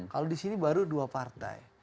kalau di sini baru dua partai